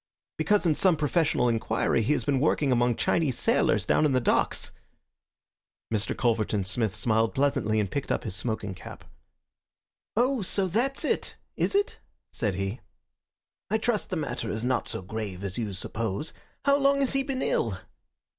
"Because, in some professional inquiry, he has been working among Chinese sailors down in the docks." Mr. Culverton Smith smiled pleasantly and picked up his smoking cap. "Oh, that's it is it?" said he. "I trust the matter is not so grave as you suppose. How long has he been ill?"